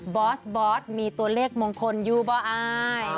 บอสมีตัวเลขมงคลอยู่ป่าวไอ้